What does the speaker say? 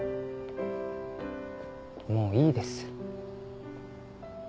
もういいです。